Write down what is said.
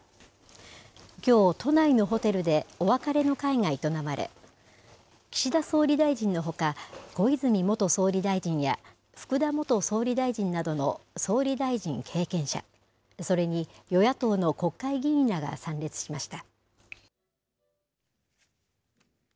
きょう、都内のホテルでお別れの会が営まれ、岸田総理大臣のほか、小泉元総理大臣や福田元総理大臣などの総理大臣経験者、それに与野党の国会議員らが参列しました。